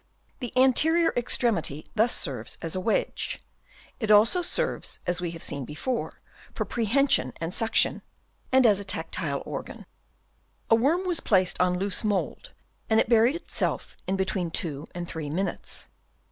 The anterior extremity thus serves as a wedge. It also serves, as we have before seen, for prehension and suction, and as a tactile organ. A worm was placed on loose mould, and it buried itself in between two and three minutes.